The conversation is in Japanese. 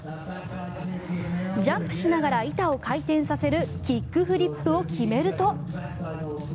ジャンプしながら板を回転させるキックフリップを決めると。